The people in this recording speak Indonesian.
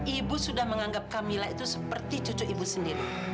ibu sudah menganggap camilla itu seperti cucu ibu sendiri